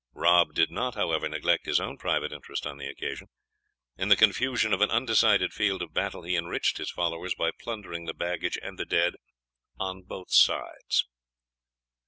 Rob did not, however, neglect his own private interest on the occasion. In the confusion of an undecided field of battle, he enriched his followers by plundering the baggage and the dead on both sides.